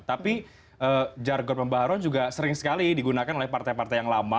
tapi jargon pembaharuan juga sering sekali digunakan oleh partai partai yang lama